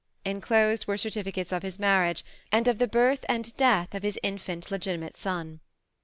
Enclosed were certificates of his marriage, and of the birth and death of his infant legitimate son.